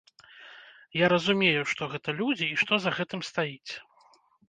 Я разумею, што гэта людзі і што за гэтым стаіць.